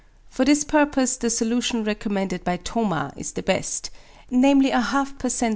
For this purpose the solution recommended by Thoma is the best namely a half per cent.